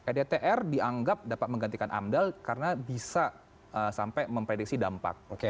rdtr dianggap dapat menggantikan amdal karena bisa sampai memprediksi dampak